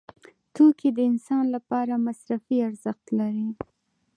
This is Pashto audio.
توکي د انسان لپاره مصرفي ارزښت لري.